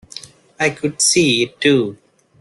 I could see it too.